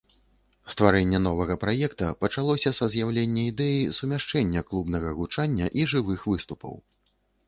Стварэнне новага праекта пачалося са з'яўлення ідэі сумяшчэння клубнага гучання і жывых выступаў.